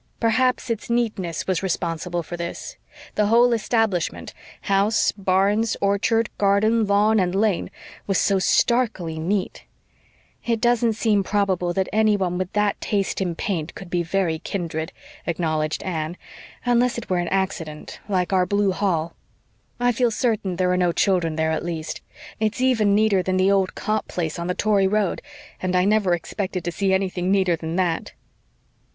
Perhaps its neatness was responsible for this; the whole establishment, house, barns, orchard, garden, lawn and lane, was so starkly neat. "It doesn't seem probable that anyone with that taste in paint could be VERY kindred," acknowledged Anne, "unless it were an accident like our blue hall. I feel certain there are no children there, at least. It's even neater than the old Copp place on the Tory road, and I never expected to see anything neater than that."